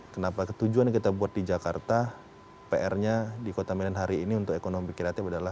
kenapa ketujuan yang kita buat di jakarta pr nya di kota medan hari ini untuk ekonomi kreatif adalah